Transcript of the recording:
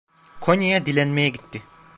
Konya'ya dilenmeye gitti.